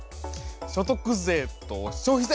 所得税と消費税！